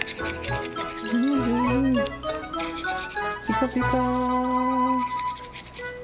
ピカピカー。